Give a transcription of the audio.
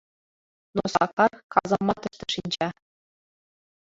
Но Сакар казаматыште шинча...